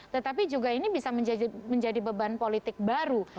tetapi juga ini bisa menjadi beban politik baru